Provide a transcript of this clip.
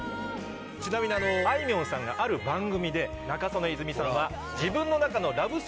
ちなみにあいみょんさんがある番組で仲宗根泉さんは自分の中の。